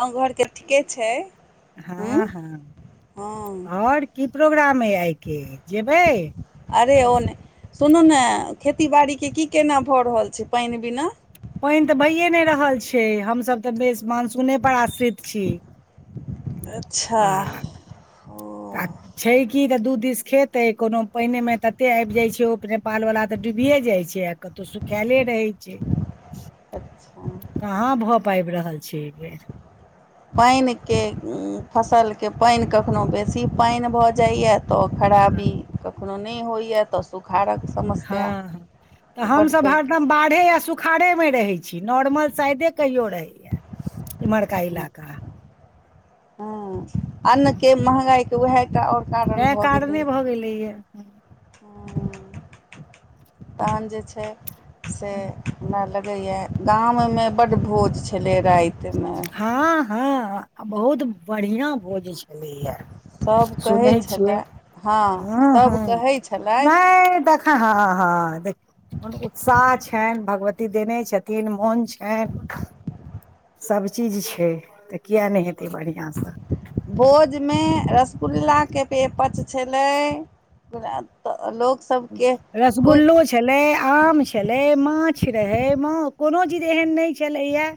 गाँव घर के ठीके छैय। हँ हँ और की प्रोग्राम अय आइ के? अरे ओ न‌इ सुनू ने खेती बाड़ी के की केना भऽ रहल छै पाइन बिना। पाइन तऽ भइए न‌इ रहल छै हमसब तऽ बेस मानसूने पर आश्रित छी। अच्छा, ओ काक [inaudible] छै की तऽ दू दीस खेत ऐ कोनो पाइने मे तते आइब जाइत छै ओ नेपालबला तऽ डूबिये जाइ छै। कतौ सुखायले रहै छै। अच्छा, कहाँ भऽ पाइब रहल छै ऐ बेर। पाइनके फसलके पाइन कखनो बेसी पाइन भऽ जाइया। तऽ ओ हँ खराबी कखनो न‌इ होइया तऽ बुखाड़क हँ समस्या ई बड पैघ नइ आ सुखाड़ेमे रहै छी नॉर्मल साइदे कहियो रहैया इम्हरका इलाका। हँ अन्नके महगाईके उएह टा आओर कारण तैं भऽ कारणे गेलैए। भऽ गेलैयए। तहन जे छै से हमरा लगैए। गाम मे बड्ड भोज छलै। रातिमे हँ हँ बहुत बढ़िआँ भोज छलैए। सभ कहै सुनै छियै छलए हँ ह ह सभ कहै छलथि नहि देख। हँ हँ हँ देख। म उत्साह छनि भगवती देने छथिन मोन छनि। सभचीज छै तऽ किए नहि हेतै बढ़िआँसँ। भोजमे रसगुल्लाके पे पच छलै। तऽ लोक सबके। रसगुल्लो छले आम छले माछ रहे मा कोनो चीज एहन नहि। छलेया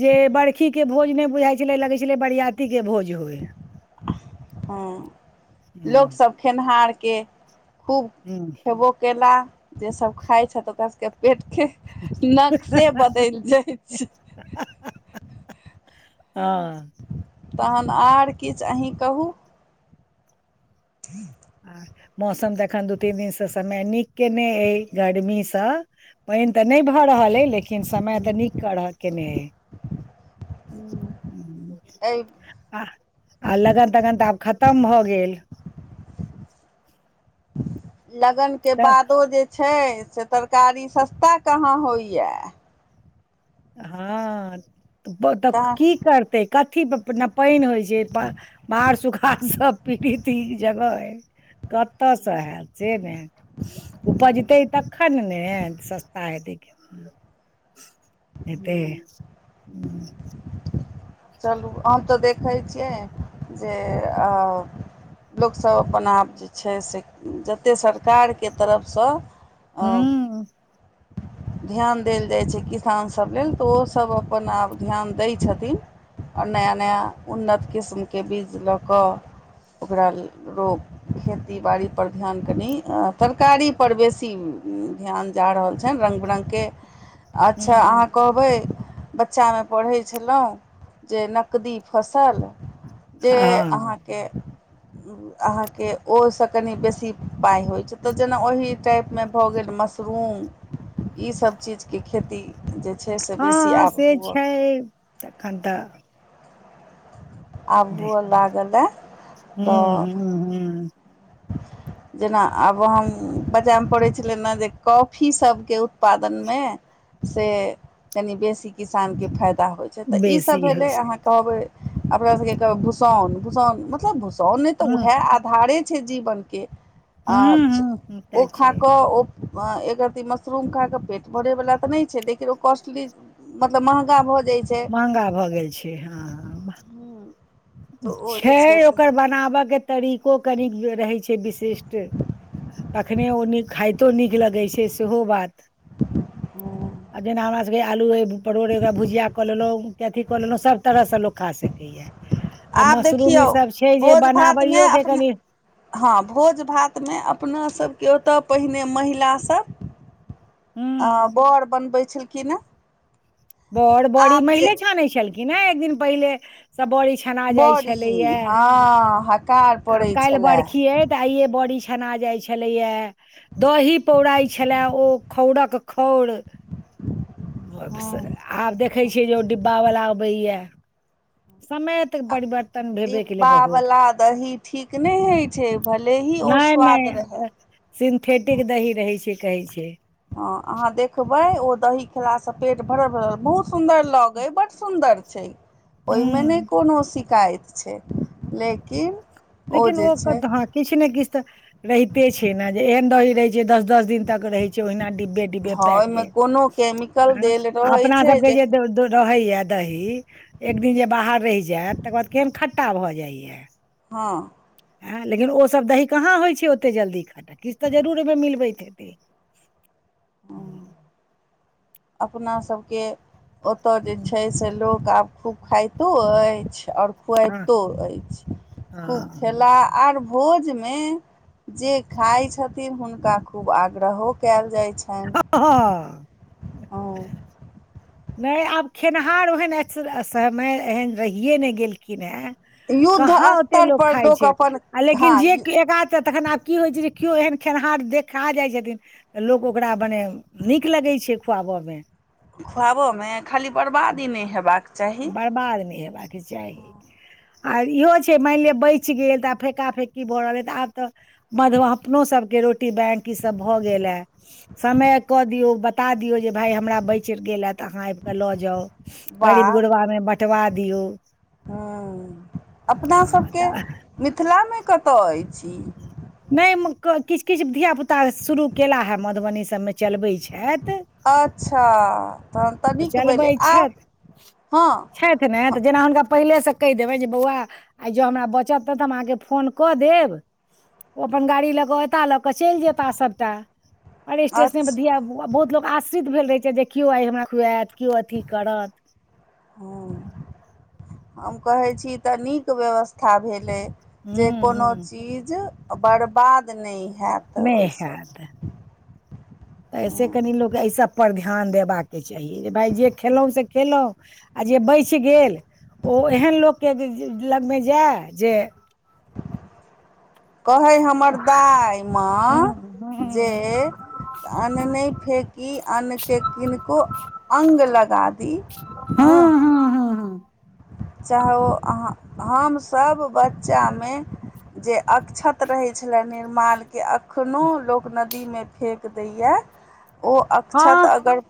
जे बड़खी के भोज ने बुझाई छले लगै छले बरियाती के भोज होय हँ ह लोकसभ खेनिहारके। खूब ह खेबो कयला जे सभ खाइत छथि ओकरा सभके पेटके। नक्शे बदल जाय छै। ह [unintelligible] तखन आर किछु अही कहू। [inaudible] आ मौसम तऽ एखन दू तीन दिनसँ समय नीक के ने ई गर्मीसँ। पानि तऽ नहि भऽ रहल अ लेकिन समय तऽ नीक कर केने अय। एहि आ आ लगन तगन तऽ आब खतम भऽ गेल। लगन के तऽ बादो जे छै से तरकारी सस्ता कहाँ होइए। हँ तऽ की करते कथी नय पानि होइ छै। जे मार सुखा सब पीड़ित जगह कतयसँ हयत से ने। उपजतै तखन ने सस्ता हेतै। हेतै ह्म ह। चलू हम तऽ देखै छियै जे। लोकसभ अपन आप जे छै से जतेक सरकारके तरफसँ। हँ। ध्यान देल जाइत छै किसानसभ लेल तऽ ओसभ अपन आप ध्यान दै छथिन। आओर नया नया उन्नत किस्मके बीज लऽ कऽ ओकरा रोप खेती बाड़ी पर ध्यान कनि तरकारी पर बेसी ध्यान जा रहल छै। त रंग बिरंग के अच्छा ह आहा कहब- बच्चामे पढ़ै छलहुँ जे नकदी फसल जे हँ अहाँ के। अहाँके ओहिसँ कनि बेसी पाइ होइत छै तऽ जेना ओहि टाइपमे भऽ गेल म। मसरूम ईसभ चीजके खेती जे छै से बेसी आब हुए। एखन त। आब हूअ लागलए हूँ तऽ। हूँ हूँ [inaudible] जेना आब हम बचामें पढैं छलै ने जे कॉफी सबके उत्पादन में। से कनि बेसी किसानकेँ फायदा होइत छै, तऽ ईसभ बेसी होइ भेलै छै अहाँके। कहबै अपना सबके कहबै, भूसाउन-भूसाउन मतलब भूसाउन तऽ हूँ वएहे आधारे। छै जीवन के, हूँ हूँ ओ तऽ छै खाकऽ ओ। एकरति मशरूम खा कऽ पेट भरैवला तऽ नहि छै, लेकिन ओ कॉस्टली। मतलब महगा भऽ जाइ छै। महँगा भऽ गेल छै। हँ, हँ। तऽ ओ जे छै से ओकर बनाबऽ के तरीको कनिक रहै। छै विशिष्ट, तखने ओ खाइतो नीक लगै छै सेहो बात। आ जेना हमरा सबके आलूए, पड़ोरे कऽ ओकरा भुजिया कऽ लेलहुँ। के अथी कऽ लेलहुँ सब तरह से लोग खा सकैय। आ आब मशरूम देखियौ ई सब छै जे भोज भातमे बनाबैयो के अपना कनि। हँ भोज-भातमें अपनासभके ओतय पहिने महिला सब। आ हूँ बर बनबै छलखिनऽ। बड़, बड़ी महिले छानै छलखिन हे, एक दिन पहिले सऽ बड़ी छ। छना जाइ छलैय, बड़ी हँ हकार आब पड़ै काल्हि छलए बरखी अय। तऽ आइये बड़ी छना जाइ छलैय। दही पौराई छलै, ओ खौरक-खौर। हँ आब देखै छियै जे ओ डिब्बा वला अबैयऽ, समय ए तऽ परिवर्त। डिब्बावला दही ठीक नहि होइ छै, भले ही ओ स्वाद रहए। सिन्थेटिक दही रहै छै, कहै छै। हँ, अहाँ देखबै ओ दही। खेलासँ पेट भरल-भरल, बहुत सुंदर लगै, बड्ड सुन्दर छै। हूँ ओयमें नइ कोनो शिकायत छै लेकिन। लेकिन जे ओ छै कधा। किछ ने किछ तऽ रहिते छै ने, जे एहन दही रहे छै दस-दस दिन तक रहे छै ओहिना डिब्बे। डिब्बे हँ ओहिमे पैके, कोनो केमिकल देल रहै अपना छै सबके जे दऽ द। रहैयऽ दही, एक दिन जे बाहर रहि जैयत तकर बाद केहन खट्टा भऽ जाइये। हँ। हँ, लेकिन ओसभ दही कहाँ होइ छै ओत्ते जल्दी खट्टा, किछ तऽ जरूर ओहि में मिलबैत हेतैऽ। हूं। अपना सबके ओतऽ जे हूँ, छै। से लोक आब खूब खाइतो अछि आओर। हँ खुआबितो अछि, खूब हँ खेला आर भोज में। जे खाइ छथिन हुनका खूब आग्रहो कैऽल जाइ छैन। हँ हँ। ओ। नइ आब खेनिहार ओहेन अ समय एहन रहिए नै गेलखिन हेँ। युद्ध कहाँ ओते स्तर लोक पर खाइ छै, अपन आ लेकिन हँ जे एक-आध तखन आब। की होइ छै जे केओ एहन खेनिहार देखा जाइ छथिन। तऽ लोक ओकरा मने नीक लगै छै खुआबयमें। खुआबऽमें खाली बर्बादी नइ हेबाक। चाही बर्बाद नइ हेबाऽक चाही। आब इहो छै, मानि लिअ बचि गेल तऽ आब फेंका फेंकी भऽ रहल अय तऽ आब तऽ मधवा अपनो सबके रोटी बैंक ईसब भऽ गेल ऐं। समय कऽ दियौ बता दियौ जे भाय हमरा बैंचर गेल ए तऽ अहाँ आबि कऽ लऽ जाउ बा गरीब गुरबामे बँटवा दियौ। हँ हँ अपनासबके तऽ मिथिलामे कतऽ अछि इ। [unintelligible] नहि म क किछ-किछ धियापुत्ता शुरू केला हैं मधुबनी सबमे चलबै छैथ। अच्छा तहन तऽनीक चलबै भेलै आब। हँ तै ने तऽ जेना हुनका पहिलेसँ कहि देबनि जे बौआ आइ जँ हमरा बचत तऽ तऽ हम अहाँके फोन कऽ देब। ओ अपन गाड़ी लऽ कऽ ऐता लऽ कऽ चलि जेता सबटा, अरे स्टेशन पर अच्छा धिया बहुत लोक आश्रित भेल रहै छै जे, कियो आइ हमरा खुऐत कियो अथी करत। हँ हम कहै छी तऽ नीक व्यवस्था भेलै। जे हूँ कोनो हूँ चीज बर्बाद नहि हैत नहि ओहिसँ। अय से कनि लोक एहि सबपर ध्यान देबाके चाहि जे भाय जे खेलौ से खेलऊ आ जे बचि गेल ओ एहन लोकके लगमे जैए जे कहै हमर दाइ हूँ माँ जे हूँ अन्न नहि फेंकी अन्नके किनको अंग लगा दी। हँ चाहे ओ अहाँ हमसब बच्चा मे जे अक्षत रहै छलै निर्माल के अखनो लोक नदी में फेंक दैए। ओ अक्षत हँ अगर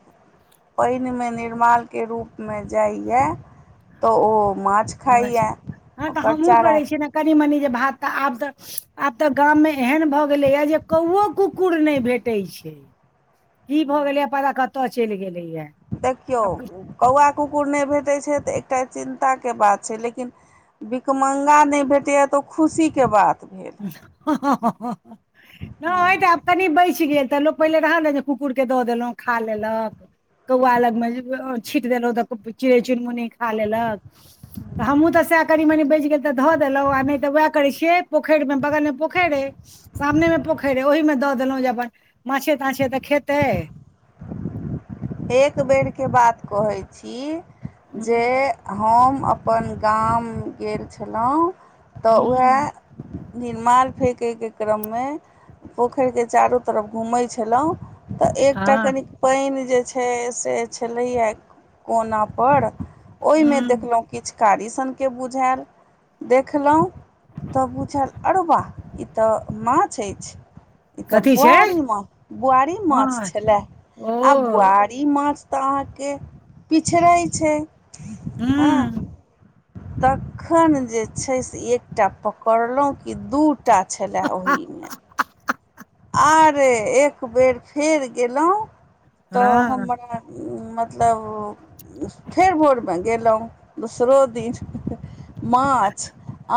पैनमे निर्मालके रूपमे जाइए तऽ ओ माछ खाइया ओकर चारा। कनी मनी जे भात तऽ आब तऽ आब तऽ गाममे एहन भऽ गेलैए, जे कौओ कुकुर नहि भेटै छै। की भऽ गेलैए परबा कतय चलि गेलैए। देखियौ आब कौआ कुकुर नहि भेटै छै तऽ एकटा चिन्ताके बात छै। लेकिन भिखमंगा नहि भेटैए तऽ ओ खुशीके बात भेल। हँ-हँ -हँ- हँ नहि तऽ आब कनि बचि गेल, तऽ लोक पहिले रहै ने जे कुकुरके दऽ देलऊ खा लेलक। कौआ लगमे अ छींट देलऊ तऽ चिड़ै चुनमुनी खा लेलक। तऽ हमहूँ तऽ सएह की मनि बचि गेल तऽ धऽ देलहुँ, आ नहि तऽ वैह करै छियै। पोखेड़ मे बगल मे पोखेड़ अय। सामने मे पोखेर अय ओहि मे दऽ देलहुँं जे अपन मांछे- तांछे तऽ खेतै। एक बेरके बात कहै छी जे हूँ, हम अपन गाम गेल छलऊ तऽ ओहै हूँ, निर्माल फेंकय के क्रममे पोखेर के चारू तरफ घूमै छलऊ तऽ, एकटा हँ कनि पानि जे छै है से छ्लैय यैं कोना पर ओय मे हूँ, देखलऊ किछ कारी सनके बुझैल, देखलऊ तऽ बुझैल आरौ बा ई तऽ मांछ अछि। ई तऽ कथी छै बुआरी माछ, बुआरी माछ छलै ओ आ बु आरी माछ तऽ अहाँके पिछड़ै छै। हुँ। आ। तखन जे छै से एकटा पकड़लहुँ कि दूटा। छलै ओहिमे। ह रे एकबर फेर गेलहुँ तऽ हँ हमरा। मतलब ओ, फेर भोर मे गेलहुँ दोसरो दिन, माछ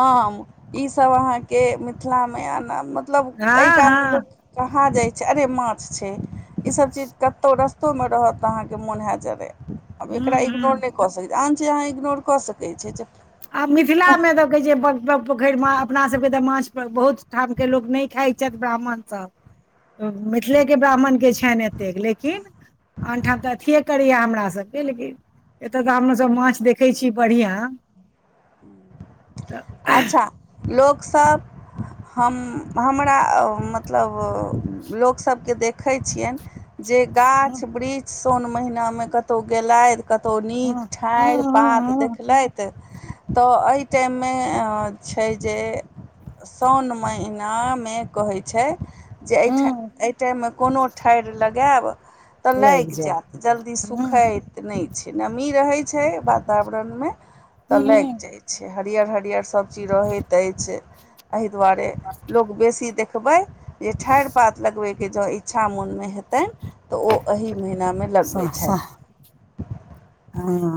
आम ईसभ अहाँके मिथिलामे अना। मतलब एहि हँ कालमे लोक हँ कहाँ जाइ छैय अरे माछ छैत, ईसभ चीज कतहु रस्तोमे रहत तऽ अहाँके मोन हैयत जरय आब हूँ एकरा हूँ इग्नोर नहि। कऽ सकैत आन चीज अहाँ इग्नोर कऽ सकैत छी आ मिथिलामे तऽ कहैत छैय पोखरिमे अपनासभके तऽ माछ बहुत, ठाम के लोक नहि खाइ छथि ब्राह्मण सब मिथिले के ब्राह्मण के, खेन हेते लेकिन अनठाम तऽ अथि करैया हमरा सबके लेकिन, एतोका तऽ हम सब माछ देखे छिय बढ़िया। तऽ। अच्छा लोक सब, हम हमरा अ मतलब व लोकसभके देखै छियेन। जे हँ गाछ वृक्ष सोन महिना मे कतहु गेलाएथ कतहु नीक ठाम। ठाईड़ पात हँ देखलेथ तऽ अइ टाइम, मे आ छैय जे सोओन महिना मे कहै छैय। जे एहि एठइ हँ एहि टाइम मे कोनो ठाइर लगेएब। तऽ लागि लाइग जयैत जल्दी जायत सुखैत। नए छैय नमी रहै छैय वातावरण मे तऽ लाइग जाइ छैय। हरियर हरियर सब्ज़ी रहैत अछि एहि दुआरे लोक बेसी देखबै। जे ठाइर पात लगबै के जे इच्छा मन मे हेतेन। तऽ ओ एहि महिना मे लगबै साह छइथ साह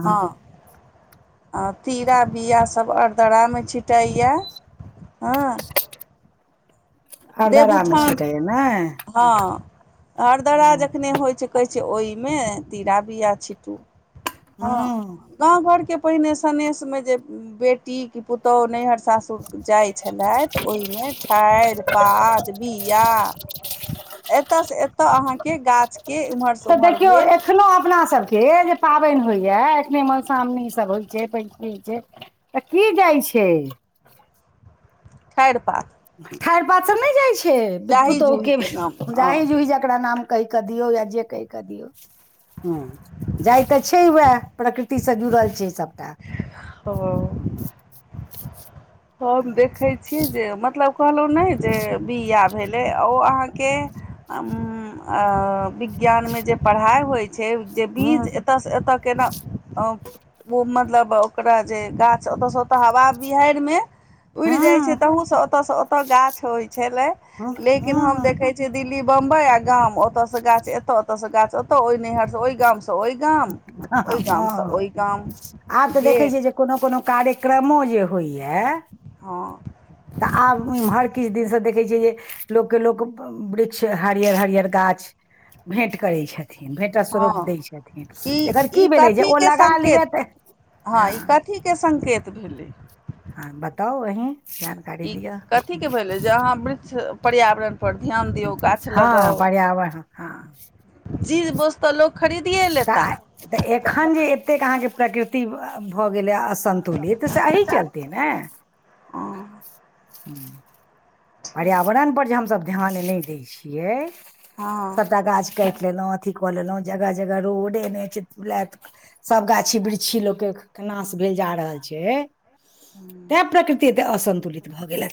हँ। आ तीरा बीया सब अरदारा मे छिटाईया - हँ। अरदारा मे देवउठान छिटाइया नै। हँ अरदारा जखने होइ छैय। कहै छैय ओईमे तीरा बिया छिटू हँ गाँव घर के, पहिने सनेस मे जे बेटी, बेटी पुतोहु नैहर सासुर जाय छलैयएथ ओईमे ठाइर पात, बिया एतऽसँ एतऽ अहाँके गाछके एम्हर सँ उम्हर भेल। एखनोहु अपना सभ के जे पाबन होइएा एखने मधुश्रावणी सभ होइत छैय पंचमी छैय। तऽ की जाइ छैय। ठाइर पात, ठाईढ़ पात सँ नई जाइ छैर जाही पुतहु जूही के नाम हँ जाहि जुही जकरा नाम, कहि क दियो या जे कहि क दिऔ। ह जाय तऽ छैय उएह प्रकृति सँ जुड़ल छैय सभटा। ओ। हँ हम देखेइ छिये जे मतलब कहलहुँ नए जे बिआह भेलै ओ अहाँके। आ उम आ विज्ञान मे जे पराहि होइ छैय जे बीज, हँ एतय सँ एतय केना। ओ मतलब ओकरा जे गाछ ओत से ओत हवा बिहाड़ि मे उड़ि जाइ छै हँ तहु सँ ओत सँ ओत गाछ होइ छलैय लेकिन हम हँ देखे जै दिल्ली बम्बई आ गाम ओत सँ गाछ एत ओत सँ गाछ एतौ ओहि नैहर सँ ओई गाम सँ ओय हा हा हँ आब तऽ देखै गेल छियै जे कोनो कोनो कार्यक्रमो जे होइया हँ तऽ आब इम्हर किछ दिन सँ देखै छियै जे लोक के लोक वृक्ष हरियर हरियर गाछ भेंट करै छथिन भेंट स्वरूप हँ दै छथिन ई एकर ई की भेलै जे कथी ओ के लगा लिअ तऽ हँ ठीके सँकेत [unintelligible] हँ बताउ अहीं ई दिअ कथी के भेले ज अहाँ वृक्ष पर्यावरण पर ध्यान दियो गाछ हँ लगाव पर्यावरण हँ -चीज बोस्त तऽ लोक खरिदिए तऽ आइ तऽ एखन जे एतेक अहाँके प्रकृति ति भऽ गेलैया असन्तुलित से अहि चलते नै [inaudible] हँ ठीक पर्यावरण पर जे हमसब ध्यान नए दय छियै हँ सबटा गाछ काटि लेलहुँ अथी कऽ लेलहुँ जगह जगह रोड एहने छै [unintelligible] सब गाछी वृक्षी लोक के नाश भेल जा रहल छै हूँ। तैं प्रकृति तै असन्तुलित भऽ गेलन हँ